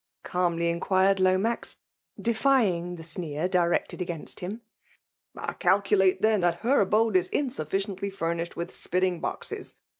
'* cstlmly iftqvured Lomax, defying the sn^r difect€l<l against him. '* I calculate, then, that her abode is insufficiently fiirnished with spitting boxe*?